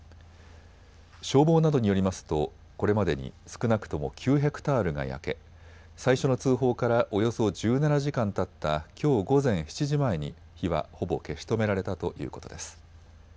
消防などによりますとこれまでに少なくとも９ヘクタールが焼け最初の通報からおよそ１７時間たったきょう午前７時前に火はほぼ消し止められたということです。